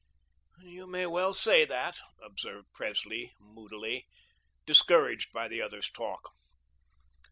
"You may well say that," observed Presley moodily, discouraged by the other's talk.